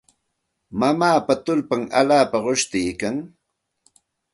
Mamaapa tullpan allaapa qushniikan.